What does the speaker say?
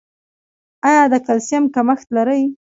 ایا د کلسیم کمښت لرئ؟